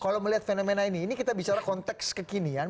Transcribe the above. kalau melihat fenomena ini ini kita bicara konteks kekinian